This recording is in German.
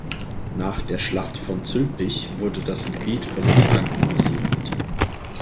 Nach der Schlacht von Zülpich wurde das Gebiet von den Franken besiedelt.